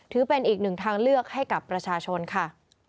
ถือเป็นอีกหนึ่งทางเลือกให้กับประชาชนค่ะ